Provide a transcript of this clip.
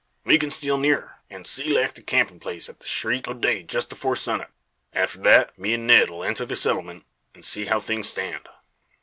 We kin steal nearer; an' seelect a campin' place at the skreek o' day jest afore sun up. Arter thet me an' Ned 'll enter the settlement, an' see how things stand."